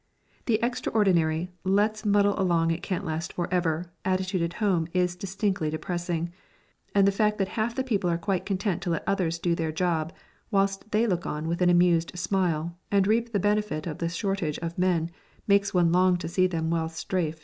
The extraordinary "let's muddle along it can't last for ever" attitude at home is distinctly depressing, and the fact that half of the people are quite content to let others do their job whilst they look on with an amused smile and reap the benefit of the shortage of men makes one long to see them well "strafed."